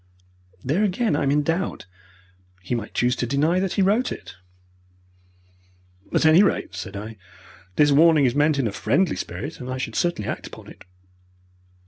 "There again I am in doubt. He might choose to deny that he wrote it." "At any rate," said I, "this warning is meant in a friendly spirit, and I should certainly act upon it.